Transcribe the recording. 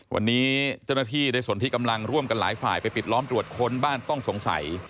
วันนี้เจ้าหน้าที่ได้ส่วนที่กำลังร่วมกันหลายฝ่ายไปปิดล้อมตรวจค้นบ้านต้องสงสัย